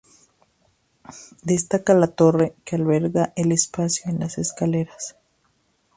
Destaca la torre que alberga el espacio de las escaleras.